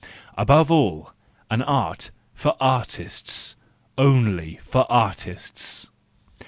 Above all, an art for artists, only for artists!